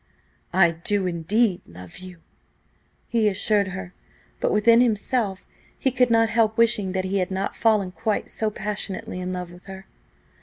"I do indeed love you!" he assured her, but within himself he could not help wishing that he had not fallen quite so passionately in love with her.